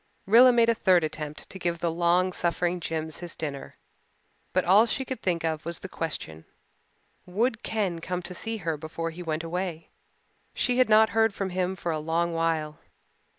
Rilla made a third attempt to give the long suffering Jims his dinner, but all she could think of was the question Would Ken come to see her before he went away? She had not heard from him for a long while.